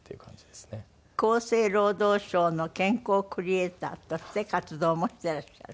厚生労働省の健康クリエイターとして活動もしていらっしゃる。